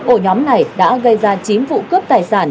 ổ nhóm này đã gây ra chín vụ cướp tài sản